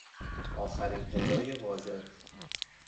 آخرین هجای واژه